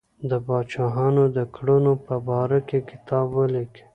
د پاچاهانو د کړنو په باره کې کتاب ولیکي.